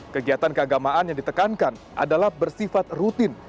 kegiatan keagamaan yang ditekankan adalah bersifat rutin